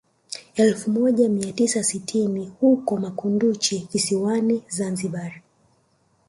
Elfu moja mia tisa sitini huko makunduchi visiwani Zanzibari